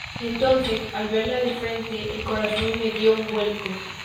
entonces, al verla de frente, el corazón me dió un vuelco.